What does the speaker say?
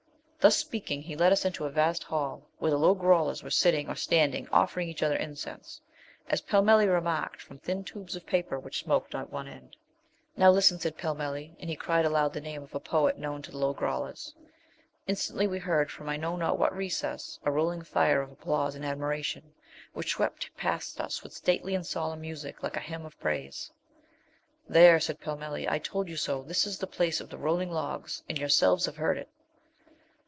Thus speaking, he led us into a vast hall, where the Lo grollas were sitting or standing, 'offering each other incense,' as Pellmelli remarked, from thin tubes of paper, which smoked at one end. 'Now listen,' said Pellmelli, and he cried aloud the name of a poet known to the Lo grollas. Instantly we heard, from I know not what recess, a rolling fire of applause and admiration, which swept past us with stately and solemn music, like a hymn of praise. 'There,' said Pellmelli, 'I told you so. This is the place of the Rolling of Logs, and yourselves have heard it.'